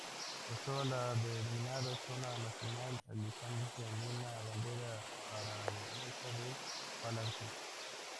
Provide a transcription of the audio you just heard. Pasó a la denominada "zona nacional", alistándose en una bandera aragonesa de Falange.